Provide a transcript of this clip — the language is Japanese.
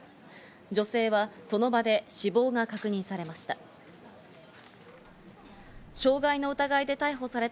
女性はその場で死亡が確認されました。